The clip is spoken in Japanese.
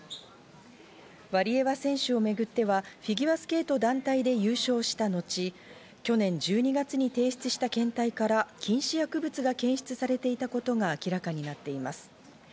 ワリエワ選手をめぐっては、フィギュアスケート団体で優勝した後、去年１２月に提出した検体から禁止薬物が検出されていたことが明らかになっています。